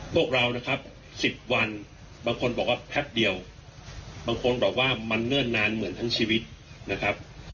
พวกเรานะครับ๑๐วันบางคนบอกว่าแพ็บเดียวบางคนบอกว่ามันเนิ่นนานเหมือนทั้งชีวิตนะครับ